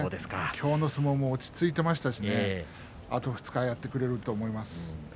今日の相撲も落ち着いていましたしあと２日やってくれると思います。